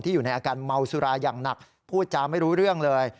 อยู่ในอาการเมาสุราอย่างหนักพูดจาไม่รู้เรื่องเลย